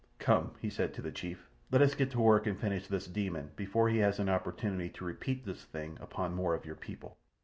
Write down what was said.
"Come!" he said to the chief. "Let us get to work and finish this demon before he has an opportunity to repeat this thing upon more of your people."